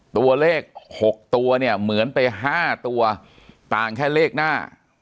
ตัวเลข๖ตัวเนี่ยเหมือนไป๕ตัวต่างแค่เลขหน้า